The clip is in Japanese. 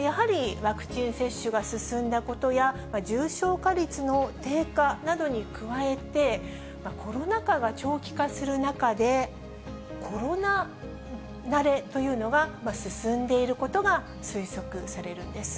やはりワクチン接種が進んだことや、重症化率の低下などに加えて、コロナ禍が長期化する中で、コロナ慣れというのが進んでいることが推測されるんです。